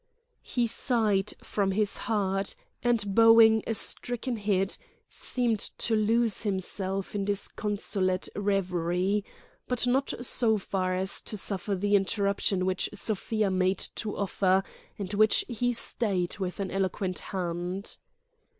He sighed from his heart, and bowing a stricken head, seemed to lose himself in disconsolate reverie—but not so far as to suffer the interruption which Sofia made to offer and which he stayed with an eloquent hand.